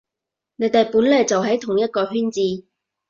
你哋本來就喺同一個圈子